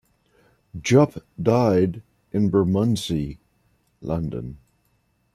Jupp died in Bermondsey, London.